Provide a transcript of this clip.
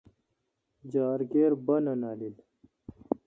جار کیر بانہ نالیل۔